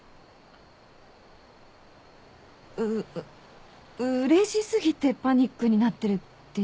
うっうれし過ぎてパニックになってるっていうか。